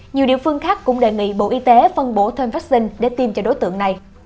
nhiều địa phương khác cũng đề nghị bộ y tế phân bổ thêm vaccine để tiêm cho đối tượng này